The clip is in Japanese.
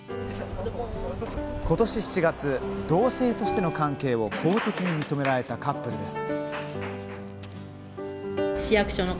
ことし、７月同性としての関係を公的に認められたカップルです。